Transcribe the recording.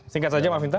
singkat saja maaf minta